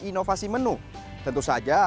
inovasi menu tentu saja